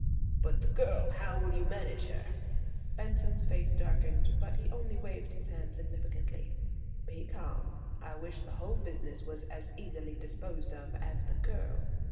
"But the girl–how will you manage her?" Benson's face darkened, but he only waved his hand significantly. "Be calm. I wish the whole business was as easily disposed of as the girl."